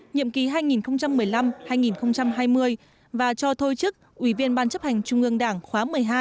nhiệm kỳ hai nghìn một mươi năm hai nghìn hai mươi và cho thôi chức ủy viên ban chấp hành trung ương đảng khóa một mươi hai